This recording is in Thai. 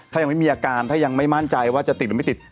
ถ้ายังไม่มีอาการถ้ายังไม่มั่นใจว่าจะติดหรือไม่ติด